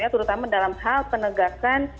terutama dalam hal penegakan